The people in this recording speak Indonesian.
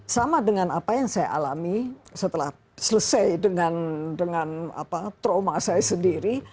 sama dengan apa yang saya alami setelah selesai dengan trauma saya sendiri